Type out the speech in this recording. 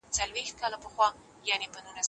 دا رومان د یوې سترې جګړې او د هغې د اتلانو کیسه ده.